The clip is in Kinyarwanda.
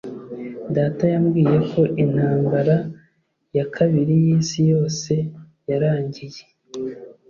Data yambwiye ko Intambara ya Kabiri yIsi Yose yarangiye